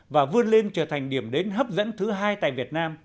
và vươn lên trở thành điểm đến hấp dẫn thứ hai tại việt nam